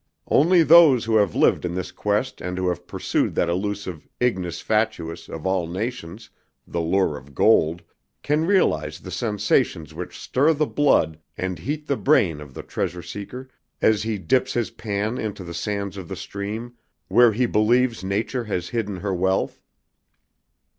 Only those who have lived in this quest and who have pursued that elusive ignis fatuus of all nations the lure of gold can realize the sensations which stir the blood and heat the brain of the treasure seeker as he dips his pan into the sands of the stream where he believes nature has hidden her wealth.